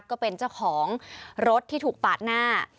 ก็เป็นเจ้าของรถที่ถูกปาดหน้า